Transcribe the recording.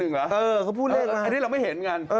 เขาพูดเลขมาอันนี้เราไม่เห็นกัน